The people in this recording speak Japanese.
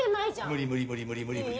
無理無理無理無理無理無理！